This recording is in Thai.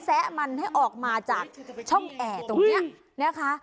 แซะมันให้ออกมาจากช่องแอร์ตรงนี้นะคะ